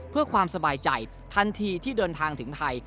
เพื่อความสบายใจทันทีที่เดินทางถึงไทย